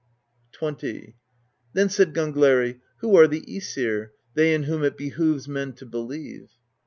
XX. Then said Gangleri: "Who are the ^sir, they in whom it behoves men to believe?"